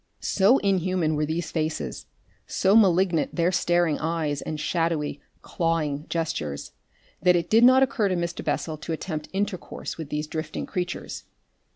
So inhuman were these faces, so malignant their staring eyes, and shadowy, clawing gestures, that it did not occur to Mr. Bessel to attempt intercourse with these drifting creatures.